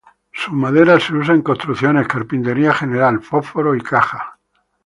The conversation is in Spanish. Su madera se usa en construcciones, carpintería general, fósforos y cajas.